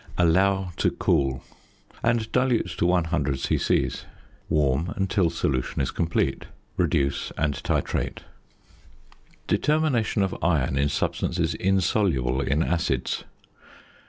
Allow to cool, and dilute to 100 c.c. Warm until solution is complete. Reduce and titrate. ~Determination of Iron in Substances Insoluble in Acids.